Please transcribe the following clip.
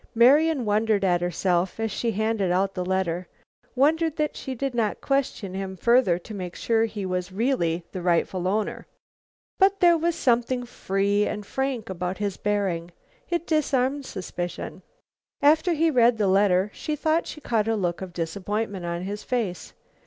Marian wondered at herself, as she handed out the letter; wondered that she did not question him further to make sure he was really the rightful owner. But there was something free and frank about his bearing. It disarmed suspicion. After he had read the letter, she thought she caught a look of disappointment on his face.